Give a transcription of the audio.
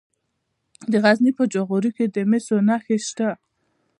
د غزني په جاغوري کې د مسو نښې شته.